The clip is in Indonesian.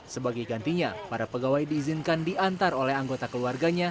sebagai gantinya para pegawai diizinkan diantar oleh anggota keluarganya